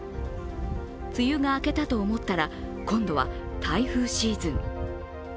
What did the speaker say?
梅雨が明けたと思ったら今度は台風シーズン。